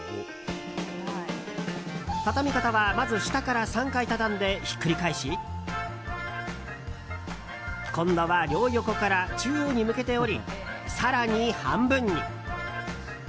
畳み方は、まず下から３回畳んでひっくり返し今度は両横から中央に向けて折り更に半分に。